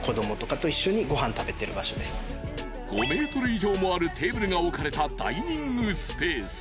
［５ｍ以上もあるテーブルが置かれたダイニングスペース］